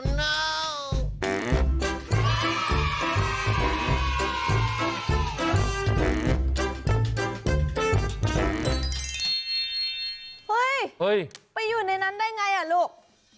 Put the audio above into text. เฮ้ยไปอยู่ในนั้นได้ไงอ่ะลูก